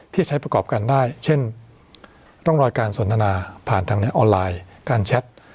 ที่ใช้ประกอบกันได้เช่นร่องรอยการสนทนาผ่านทางนี้ออนไลน์การแชท